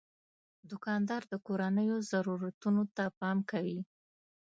دوکاندار د کورنیو ضرورتونو ته پام کوي.